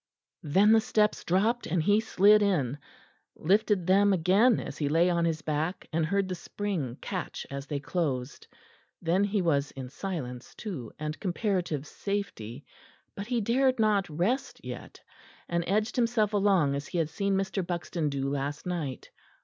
Then the steps dropped and he slid in; lifted them again as he lay on his back, and heard the spring catch as they closed. Then he was in silence, too, and comparative safety. But he dared not rest yet, and edged himself along as he had seen Mr. Buxton do last night.